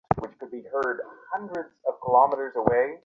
Calling bell খুঁজে পাওয়া গেল না।